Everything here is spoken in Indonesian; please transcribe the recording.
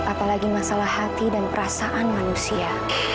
apalagi masalah hati dan perasaan manusia